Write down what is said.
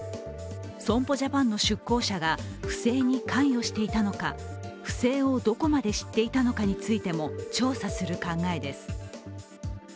損保ジャパンの出向者が不正に関与していたのか、不正をどこまで知っていたのかについても調査する考えです。